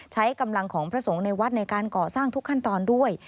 ใช้กำลังของพระสงฆ์ในวัดในการก่อสร้างทุกขั้นตอนด้วย